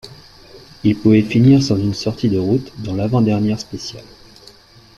Il pouvait finir sans une sortie de route dans l'avant dernière spéciale.